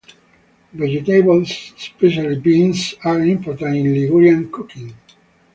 Vegetables especially beans are important in Ligurian cooking.